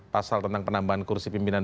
pasal tentang penambahan kursi pimpinan